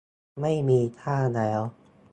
ไม่มีค่าแล้ว